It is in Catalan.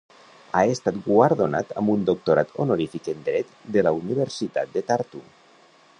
Ha estat guardonat amb un doctorat honorífic en Dret de la Universitat de Tartu.